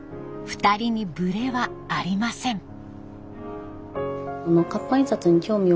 ２人にブレはありません。